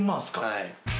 はい。